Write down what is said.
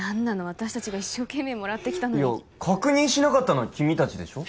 私達が一生懸命もらってきたのにいや確認しなかったのは君達でしょ？